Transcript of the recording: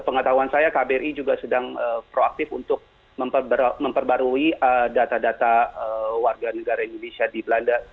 pengetahuan saya kbri juga sedang proaktif untuk memperbarui data data warga negara indonesia di belanda